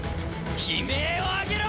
悲鳴を上げろ！